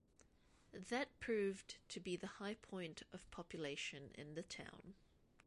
That proved to be the high point of population in the town.